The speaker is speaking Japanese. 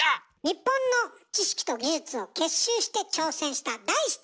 日本の知識と技術を結集して挑戦した題して！